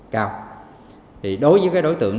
có quy định cho môi trường